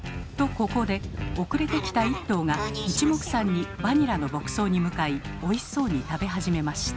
ここで遅れて来た１頭がいちもくさんに「バニラ」の牧草に向かいおいしそうに食べ始めました。